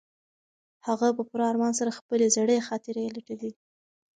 هغه په پوره ارمان سره خپلې زړې خاطرې لټوي.